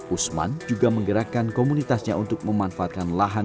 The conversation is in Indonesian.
usman juga menggerakkan komunitasnya untuk memanfaatkan lahan